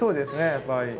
やっぱり。